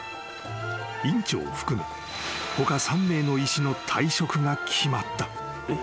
［院長を含め他３名の医師の退職が決まった］